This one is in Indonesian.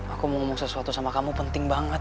aku mau ngomong sesuatu sama kamu penting banget